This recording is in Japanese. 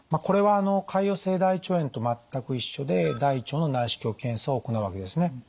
これは潰瘍性大腸炎と全く一緒で大腸の内視鏡検査を行うわけですね。